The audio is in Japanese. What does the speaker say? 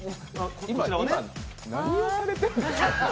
今、何をされてるの？